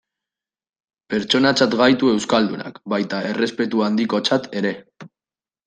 Pertsonatzat gaitu euskaldunak, baita errespetu handikotzat ere.